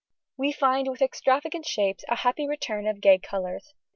] We find with extravagant shapes a happy return of gay colours.